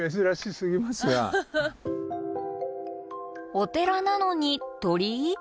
お寺なのに鳥居？